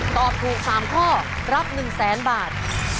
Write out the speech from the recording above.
ตอบถูก๓ข้อรับ๑๐๐๐๐๐บาท